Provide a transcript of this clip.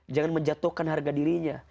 jangan menjatuhkan harga dirinya